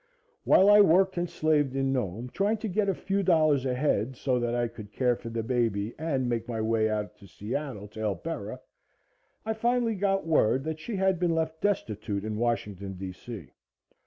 While I worked and slaved in Nome trying to get a few dollars ahead so that I could care for the baby and make my way out to Seattle to help Bera, I finally got word that she had been left destitute in Washington, D. C.